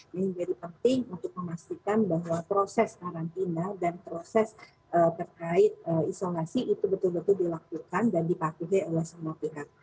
ini menjadi penting untuk memastikan bahwa proses karantina dan proses terkait isolasi itu betul betul dilakukan dan dipatuhi oleh semua pihak